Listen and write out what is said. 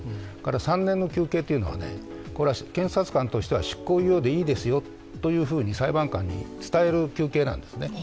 ３年の求刑というのは、検察官としては執行猶予でいいですよと裁判官に伝える求刑なんですね。